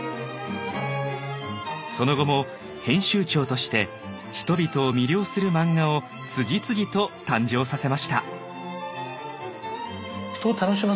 その後も編集長として人々を魅了する漫画を次々と誕生させました。